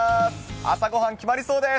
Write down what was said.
朝ごはん、決まりそうです。